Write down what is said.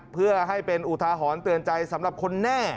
เพื่อให้เป็นอุทาหรณ์เตือนใจสำหรับคนแน่